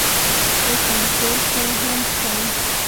خو سانسور هم شته.